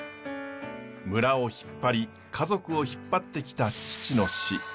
村を引っ張り家族を引っ張ってきた父の死。